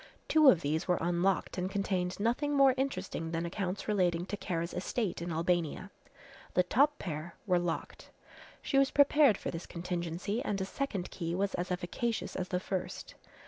Two of these were unlocked and contained nothing more interesting than accounts relating to Kara's estate in Albania. The top pair were locked. She was prepared for this contingency and a second key was as efficacious as the first.